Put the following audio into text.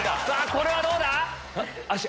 これはどうだ？